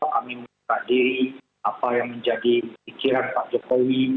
kami memperadiri apa yang menjadi pikiran pak jokowi